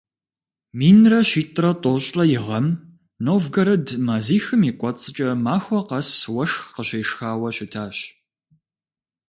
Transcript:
Минрэ щитӏрэ тӏощӏрэ и гъэм Новгород мазихым и кӏуэцӏкӏэ махуэ къэс уэшх къыщешхауэ щытащ.